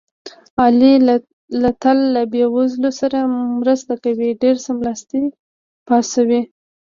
علي له تل له بې وزلو سره مرسته کوي. ډېر څملاستلي پاڅوي.